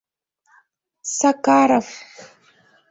Сакаров.